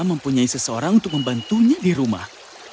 mempunyai seseorang untuk membantunya di rumah